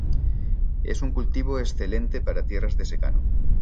Es un cultivo excelente para tierras de secano.